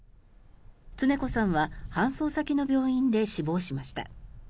常子さんは搬送先の病院で死亡しました。